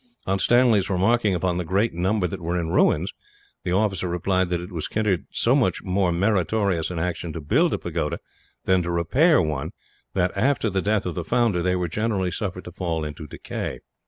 On Stanley's remarking upon the great number that were in ruins, the officer replied that it was considered so much more meritorious an action to build a pagoda than to repair one that, after the death of the founder, they were generally suffered to fall into decay.